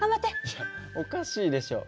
いやおかしいでしょ。